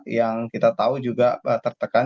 yang kita tahu juga tertekan